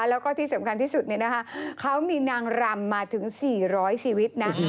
แล้วก็ที่สำคัญที่สุดเนี่ยนะคะเขามีนางรำมาถึง๔๐๐ชีวิตนะ